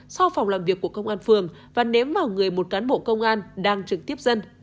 so phòng làm việc của công an phường và nếm vào người một cán bộ công an đang trực tiếp dân